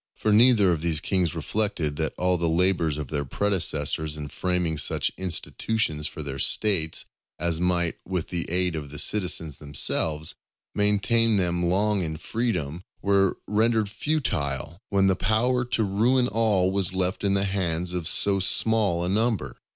For neither of these kings reflected that all the labours of their predecessors in framing such institutions for their States, as might, with the aid of the citizens themselves, maintain them long in freedom, were rendered futile, when the power to ruin all was left in the hands of so small a number.